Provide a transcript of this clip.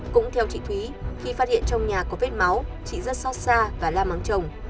cũng theo chị thúy khi phát hiện trong nhà có vết máu chị rất xót xa và la mắng chồng